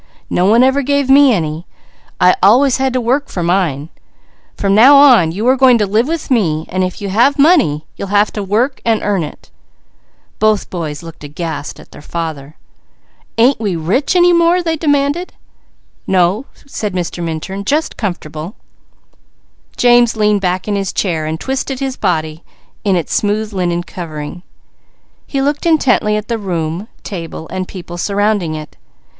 No one ever gave me any. I always had to work for mine. From now on you are going to live with me, so if you have money you'll have to go to work and earn it_." Both boys looked aghast at him. "Ain't we rich any more?" "No," said Mr. Minturn. "Merely comfortable!" James leaned back in his chair, twisting his body in its smooth linen covering. He looked intently at the room, table and people surrounding it.